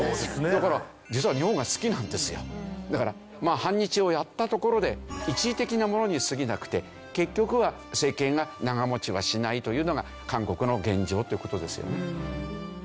だからだから反日をやったところで一時的なものにすぎなくて結局は政権が長持ちはしないというのが韓国の現状という事ですよね。